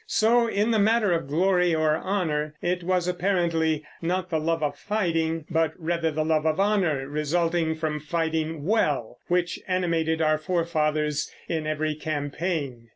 So in the matter of glory or honor; it was, apparently, not the love of fighting, but rather the love of honor resulting from fighting well, which animated our forefathers in every campaign.